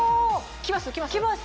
きます！